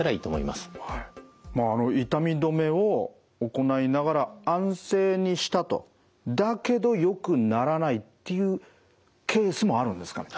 まああの痛み止めを行いながら安静にしたとだけどよくならないっていうケースもあるんですかね？